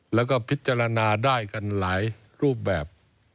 แล้วก็พิจารณาได้กันหลายรูปแบบ